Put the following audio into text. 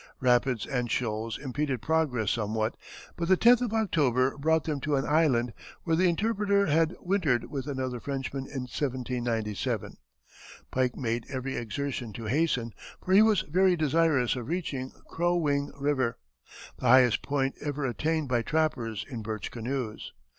Rapids and shoals impeded progress somewhat, but the 10th of October brought them to an island where the interpreter had wintered with another Frenchman in 1797. Pike made every exertion to hasten, for he was very desirous of reaching Crow wing River, the highest point ever attained by trappers in birch canoes.